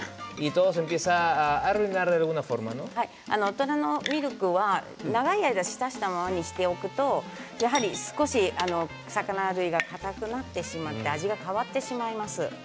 虎のミルクは長い間、浸したままにしておくと少し魚類がかたくなって味が変わってしまいます。